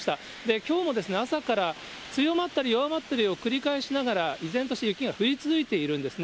きょうも朝から強まったり弱まったりを繰り返しながら、依然として雪が降り続いているんですね。